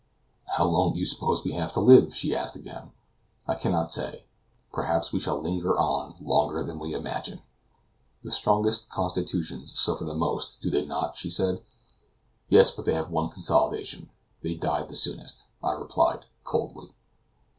"How long do you suppose we have to live?" she asked again. "I cannot say; perhaps we shall linger on longer than we imagine." "The strongest constitutions suffer the most, do they not?" she said. "Yes; but they have one consolation they die the soonest," I replied, coldly.